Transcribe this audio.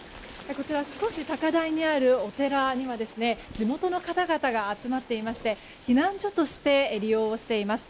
こちら、少し高台にあるお寺には地元の方々が集まっていまして避難所として利用をしています。